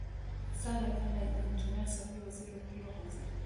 استاد، ډاکټر، انجنیر، ، سفیر، وزیر، وکیل، قاضي ...